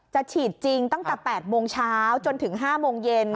ฉีดจริงตั้งแต่๘โมงเช้าจนถึง๕โมงเย็น